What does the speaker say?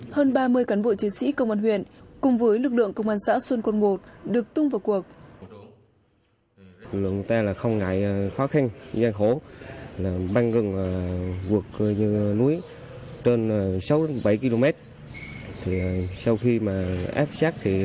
hơn ba mươi cán bộ chiến sĩ công an huyện cùng với lực lượng công an xã xuân quân i được tung vào cuộc